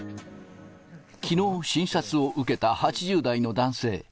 きのう、診察を受けた８０代の男性。